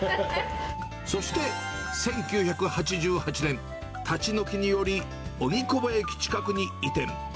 そして１９８８年、立ち退きにより、荻窪駅近くに移転。